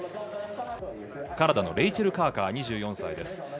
カナダのレイチェル・カーカー、２４歳。